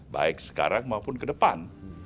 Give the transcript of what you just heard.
baik sekarang maupun ke depan